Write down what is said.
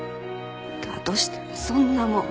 「だとしたらそんなもん」